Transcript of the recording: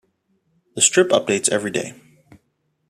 The strip updates every day.